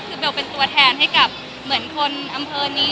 คือเบลเป็นตัวแทนให้กับเหมือนคนอำเภอนี้